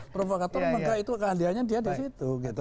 provokator itu keahlianya dia di situ gitu